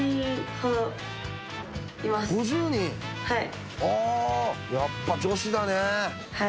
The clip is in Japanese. はい。